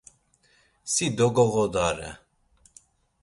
Si dogoğodare!